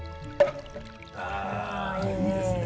あいいですね。